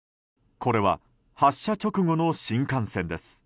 これは発車直後の新幹線です。